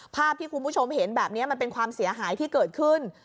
ภาพที่คุณผู้ชมเห็นแบบนี้มันเป็นความเสียหายที่เกิดขึ้น